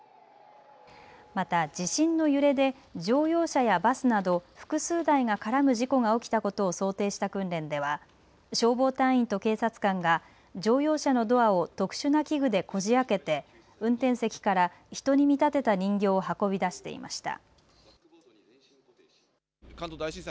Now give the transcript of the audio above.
また地震の揺れで乗用車やバスなど複数台が絡む事故が起きたことを想定した訓練では消防隊員と警察官が乗用車のドアを特殊な器具でこじあけて運転席から人に見立てた人形を運び出していました。